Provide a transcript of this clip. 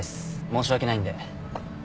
申し訳ないんで。